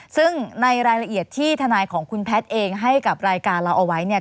ซึ่งในรายละเอียดที่ทนายของคุณแพทย์เองให้กับรายการเราเอาไว้เนี่ย